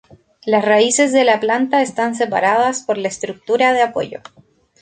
Las raíces de la planta están separadas por la estructura de apoyo.